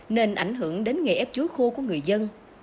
nên ảnh hưởng đến nghề ép chuối khô của người dân